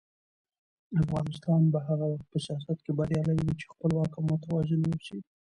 افغانستان به هغه وخت په سیاست کې بریالی وي چې خپلواک او متوازن واوسي.